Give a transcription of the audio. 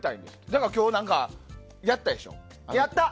だから、今日何かやったでしょ。